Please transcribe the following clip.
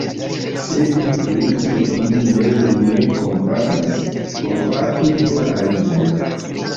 Se vi, princo, vin mem ne kompatas, kompatu do aliajn!